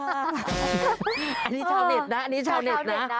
อันนี้ชาวเน็ตนะอันนี้ชาวเน็ตนะ